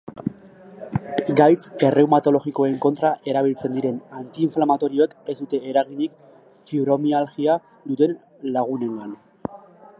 Gaitz erreumatologikoen kontra erabiltzen diren antiinflamatorioek ez dute eraginik fibromialgia duten lagunengan.